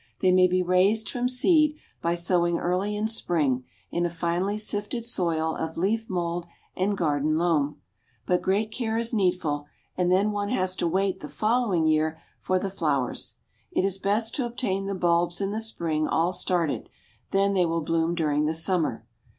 They may be raised from seed by sowing early in spring in a finely sifted soil of leaf mold and garden loam. But great care is needful, and then one has to wait the following year for the flowers. It is better to obtain the bulbs in the spring all started, then they will bloom during the summer.